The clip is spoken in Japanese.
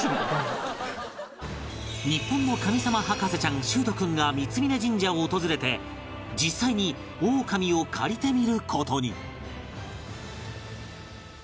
日本の神様博士ちゃん秀斗君が三峯神社を訪れて実際にオオカミを借りてみる事に